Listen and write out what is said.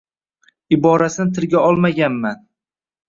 Iborasini tilga olmaganman.